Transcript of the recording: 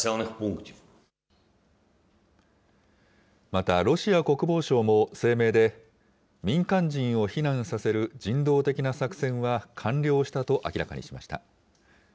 またロシア国防省も声明で、民間人を避難させる人道的な作戦は完了したと明らかにしました。